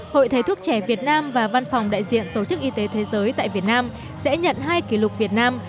hội thầy thuốc trẻ việt nam và văn phòng đại diện tổ chức y tế thế giới tại việt nam sẽ nhận hai kỷ lục việt nam